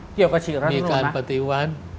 เกี่ยวกับฉีดแล้วนั่นหรอนะมีการปฏิวัน